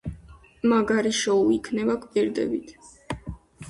მაგარი შოუ იქნება, გპირდებით.